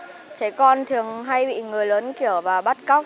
trước đây con nghĩ là trẻ con thường hay bị người lớn kiểu và bắt cắt